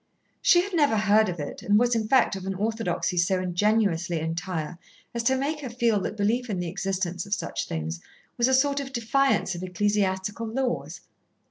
She had never heard of it, and was in fact of an orthodoxy so ingenuously entire as to make her feel that belief in the existence of such things was a sort of defiance of ecclesiastical laws.